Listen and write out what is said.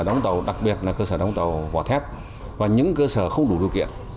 đóng tàu đặc biệt là cơ sở đóng tàu vỏ thép và những cơ sở không đủ điều kiện